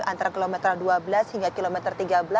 antara kilometer dua belas hingga kilometer tiga belas